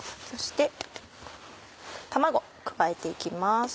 そして卵加えて行きます。